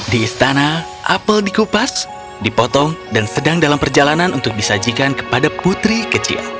di istana apel dikupas dipotong dan sedang dalam perjalanan untuk disajikan kepada putri kecil